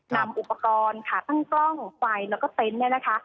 นำอุปกรณ์ขาตั้งกล้องไฟแล้วก็เต็นต์